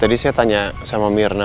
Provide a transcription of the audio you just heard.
tadi saya tanya sama mirna